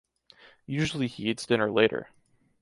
Usually he eats dinner later.